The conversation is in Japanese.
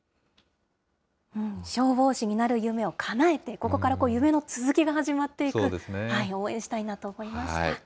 消防士になる夢をかなえて、ここから夢の続きが始まっていく、応援したいなと思いました。